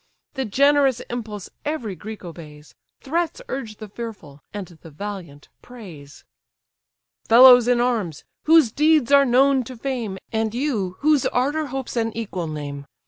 The generous impulse every Greek obeys; Threats urge the fearful; and the valiant, praise. "Fellows in arms! whose deeds are known to fame, And you, whose ardour hopes an equal name!